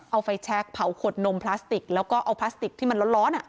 เอาไฟแชคเผาขวดนมพลาสติกแล้วก็เอาพลาสติกที่มันร้อน